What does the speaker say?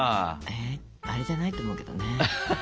あれじゃないと思うけどね。